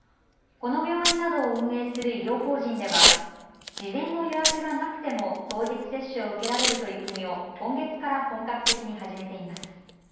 この病院などを運営する医療法人では事前の予約がなくても当日接種を受けられる取り組みを今月から本格的に始めています。